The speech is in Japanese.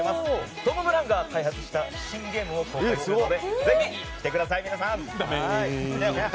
トム・ブラウンが開発した新ゲームを公開するのでぜひ来てください！